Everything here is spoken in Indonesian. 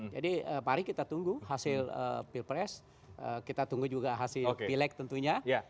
jadi mari kita tunggu hasil pilpres kita tunggu juga hasil pileg tentunya